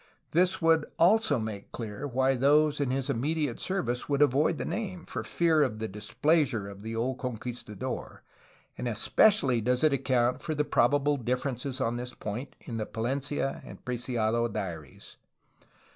This would so make clear why those in his immediate service would avoid the name, for fear of the displeasure of the old conquistador, and especially does it account for the probable difference on this point .in the Palencia and Preciado diaries.